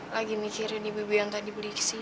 lagi mikirin ibu ibu yang tadi beli kesini